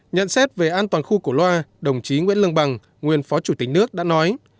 nhận xét về an toàn khu cổ loa đồng chí nguyễn lương bằng nguyên phó chủ tịch nước đã nói